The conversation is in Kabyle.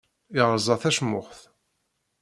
Yerẓa tacmuxt.